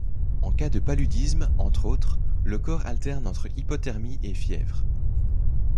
En cas de paludisme, entre autres, le corps alterne entre hypothermie et fièvre.